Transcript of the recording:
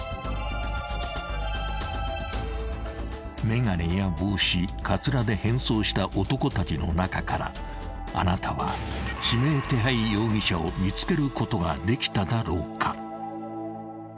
［眼鏡や帽子カツラで変装をした男たちの中からあなたは指名手配容疑者を見つけることができただろうか？］